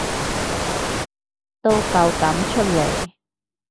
都夠膽出嚟